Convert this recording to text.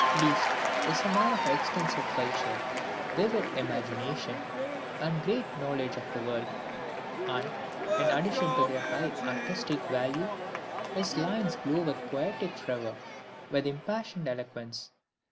Liszt is a man of extensive culture, vivid imagination, and great knowledge of the world; and, in addition to their high artistic value, his lines glow with poetic fervor, with impassioned eloquence.